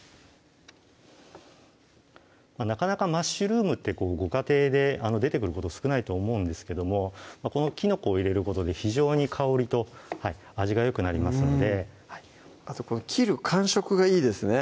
なかなかマッシュルームってご家庭で出てくること少ないと思うんですけどもこのきのこを入れることで非常に香りと味がよくなりますのであとこの切る感触がいいですね